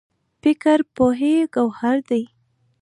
فکر پوهې ګوهر دی.